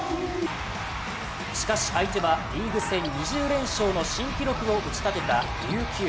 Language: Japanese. しかし相手は、リーグ戦２０連勝の新記録を打ちたてた琉球。